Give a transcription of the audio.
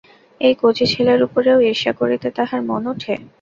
এই কচি ছেলের উপরেও ঈর্ষা করিতে তাহার মন ওঠে?